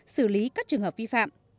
xử lý các trường hợp vi phạm